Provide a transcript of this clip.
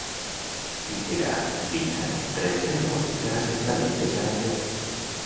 Grbavica rep el nom de l'assentament de Sarajevo.